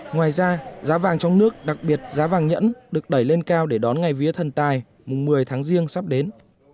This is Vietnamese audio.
ngoài ra giá vàng trong nước đặc biệt giá vàng nhẫn được đẩy lên cao để đón ngày vía thần tài mùng một mươi tháng riêng sắp đến